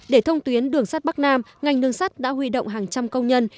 để thông tuyến đường sắt bắc nam ngành đường sắt đã huy động hàng trăm công nhân